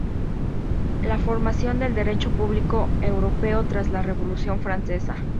La formación del Derecho Público europeo tras la Revolución Francesa".